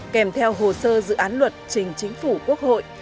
kèm theo hồ sơ dự án luật trình chính phủ quốc hội